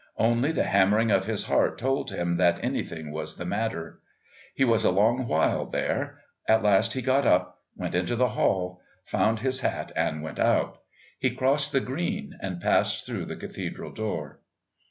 Only the hammering of his heart told him that anything was the matter. He was a long while there. At last he got up, went into the hall, found his hat and went out. He crossed the Green and passed through the Cathedral door.